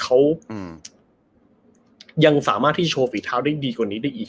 เขายังสามารถที่โชว์ฝีเท้าได้ดีกว่านี้ได้อีก